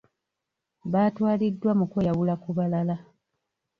Baatwaliddwa mu kweyawula ku balala.